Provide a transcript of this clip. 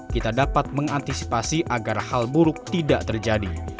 kita dapat mengantisipasi agar hal buruk tidak terjadi